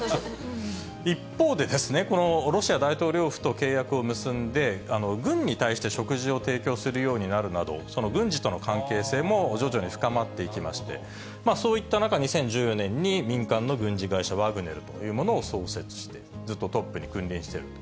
一方でですね、このロシア大統領府と契約を結んで、軍に対して食事を提供するようになるなど、その軍事との関係性も徐々に深まっていきまして、そういった中、２０１４年に民間の軍事会社、ワグネルというものを創設して、ずっとトップに君臨していると。